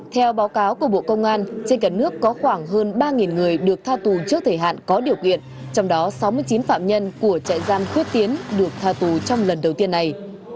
theo báo cáo của bộ công an trên cả nước có khoảng hơn ba người được tha tù trước thời hạn có điều kiện trong đó sáu mươi chín phạm nhân của trại giam quyết tiến được tha tù trong lần đầu tiên này